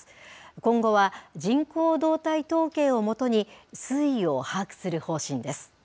今後は人口動態統計をもとに推移を把握する方針です。